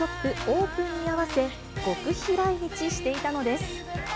オープンに合わせ、極秘来日していたのです。